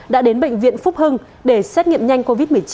đã đến bệnh viện phúc hưng để xét nghiệm nhanh covid một mươi chín